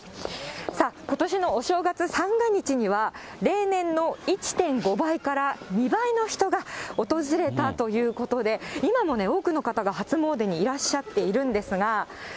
さあ、ことしのお正月三が日には、例年の１．５倍から２倍の人が訪れたということで、今も多くの方が初詣でにいらっしゃっているんですが。